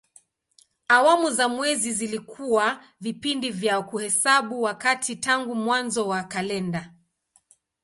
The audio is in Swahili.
Awamu za mwezi zilikuwa vipindi vya kuhesabu wakati tangu mwanzo wa kalenda.